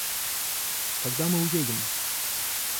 Когда мы уедем?